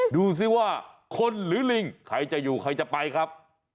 ดูสิว่าคนหรือลิงใครจะอยู่ใครจะไปครับ